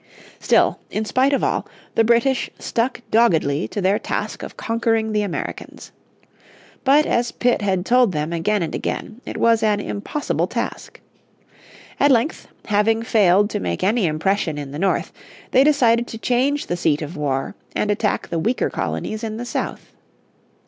Still, in spite of all, the British stuck doggedly to their task of conquering the Americans. But as Pitt had told them again and again, it was an impossible task. At length, having failed to make any impression in the north they decided to change the seat of war and attack the weaker colonies in the south.